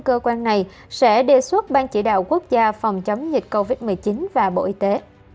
cơ quan này sẽ đề xuất ban chỉ đạo quốc gia phòng chống dịch covid một mươi chín và bộ y tế